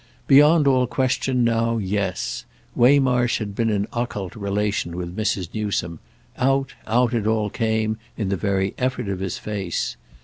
Beyond all question now, yes: Waymarsh had been in occult relation with Mrs. Newsome—out, out it all came in the very effort of his face.